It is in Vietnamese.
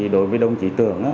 đối với đồng chí tưởng